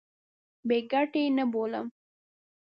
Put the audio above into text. بې ګټې نه بولم.